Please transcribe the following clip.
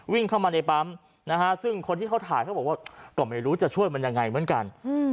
วิ่งเข้ามาในปั๊มนะฮะซึ่งคนที่เขาถ่ายเขาบอกว่าก็ไม่รู้จะช่วยมันยังไงเหมือนกัน